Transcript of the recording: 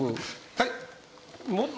はい？